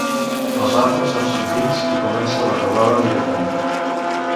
Els ràfecs són senzills, i comença la teulada directament.